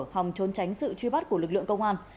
hòng trốn tránh sự truy bắt của lực lượng công an